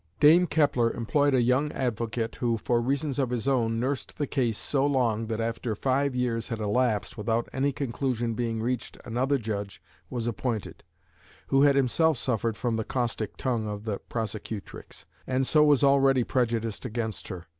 Dame Kepler employed a young advocate who for reasons of his own "nursed" the case so long that after five years had elapsed without any conclusion being reached another judge was appointed, who had himself suffered from the caustic tongue of the prosecutrix, and so was already prejudiced against her.